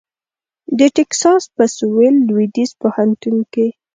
د ټیکساس په سوېل لوېدیځ پوهنتون کې